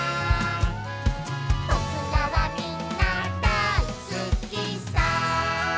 「ぼくらはみんなだいすきさ」